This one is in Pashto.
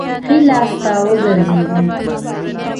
ښي لاس ته وګرځېدو.